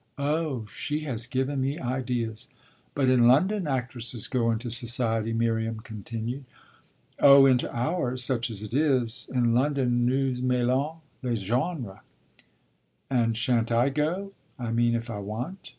"Oh she has given me ideas! But in London actresses go into society," Miriam continued. "Oh into ours, such as it is. In London nous mêlons les genres." "And shan't I go I mean if I want?"